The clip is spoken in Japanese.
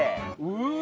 うわ！